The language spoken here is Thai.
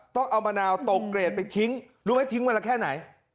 ต้องเอามะนาวตกเกรดไปทิ้งรู้ไหมทิ้งวันละแค่ไหน